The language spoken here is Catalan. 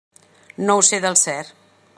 No ho sé del cert.